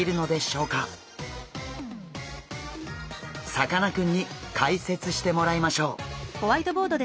さかなクンに解説してもらいましょう。